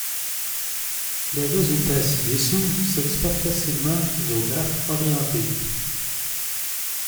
Les résultats ci-dessus s'exportent facilement aux graphes orientés.